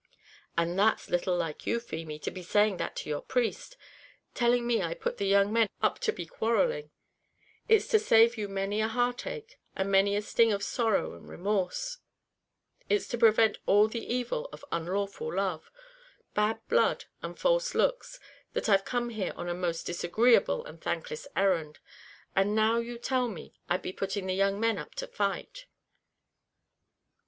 "And that's little like you, Feemy, to be saying that to your priest; telling me I put the young men up to be quarrelling: it's to save you many a heart ache, and many a sting of sorrow and remorse; it's to prevent all the evil of unlawful love bad blood, and false looks that I've come here on a most disagreeable and thankless errand; and now you tell me I'd be putting the young men up to fight!"